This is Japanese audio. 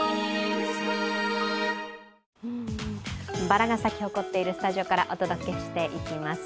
ばらが咲き誇っているスタジオからお届けしています。